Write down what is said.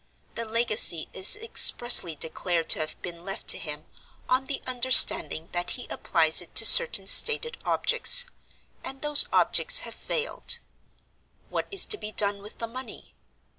The legacy is expressly declared to have been left to him, on the understanding that he applies it to certain stated objects—and those objects have failed. What is to be done with the money?